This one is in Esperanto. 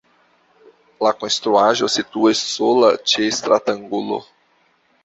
La konstruaĵo situas sola ĉe stratangulo.